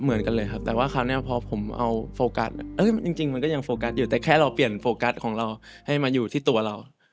เหมือนกันเลยครับแต่ว่าคราวนี้พอผมเอาโฟกัสจริงมันก็ยังโฟกัสอยู่แต่แค่เราเปลี่ยนโฟกัสของเราให้มาอยู่ที่ตัวเรา